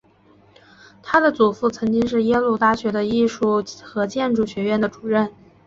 她的祖父曾经是耶鲁大学的艺术和建筑学院的主任。